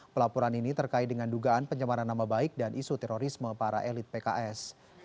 pelaporan ini terkait dengan dugaan pencemaran nama baik dan isu terorisme para elit pks